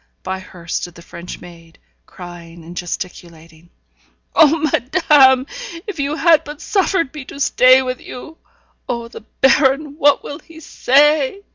By her stood the French maid, crying and gesticulating. 'Oh, madame! if you had but suffered me to stay with you! Oh! the baron, what will he say?'